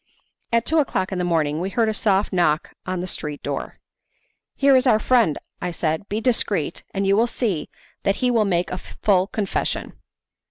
At two o'clock in the morning we heard a soft knock on the street door. "Here is our friend," I said, "be discreet, and you will see that he will make a full confession."